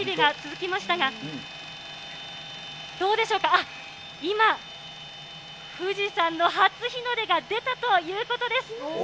あっ、今、富士山の初日の出が出たということです。